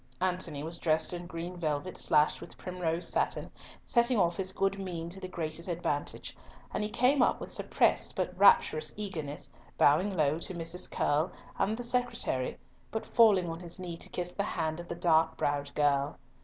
Antony was dressed in green velvet slashed with primrose satin, setting off his good mien to the greatest advantage, and he came up with suppressed but rapturous eagerness, bowing low to Mrs. Curll and the secretary, but falling on his knee to kiss the hand of the dark browed girl.